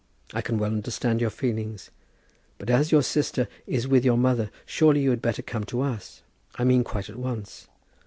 I can well understand your feeling; but as your sister is with your mother, surely you had better come to us, I mean quite at once.